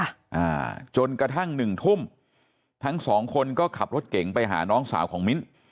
อ่าจนกระทั่งหนึ่งทุ่มทั้งสองคนก็ขับรถเก่งไปหาน้องสาวของมิ้น